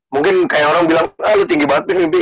mungkin kayak orang bilang ah lu tinggi banget yaudah mimpi